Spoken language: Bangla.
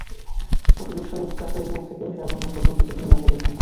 অটোরিকশায় কাকরাইল মোড় থেকে শেরাটন মোড় পর্যন্ত যেতেই লাগে দেড় ঘণ্টা।